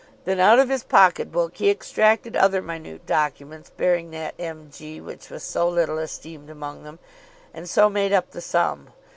Then out of his pocket book he extracted other minute documents bearing that M. G. which was so little esteemed among them, and so made up the sum.